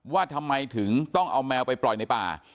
ว่าทำไมถึงต้องเอาแมวไปปล่อยในป่า